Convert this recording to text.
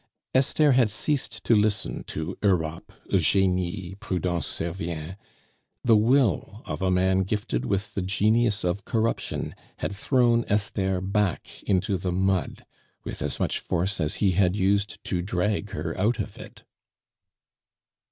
Esther had ceased to listen to Europe Eugenie Prudence Servien. The will of a man gifted with the genius of corruption had thrown Esther back into the mud with as much force as he had used to drag her out of it.